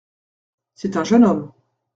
C’est un jeune homme.